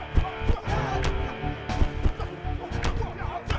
kalian mau apa